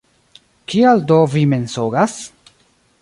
Kial do vi mensogas?